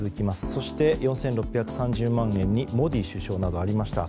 そして４６３０万円にモディ首相などがありました。